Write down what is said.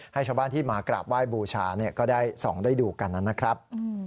ให้ชาวบ้านที่มากราบไหว้บูชาก็ได้ส่องได้ดูกันนะครับ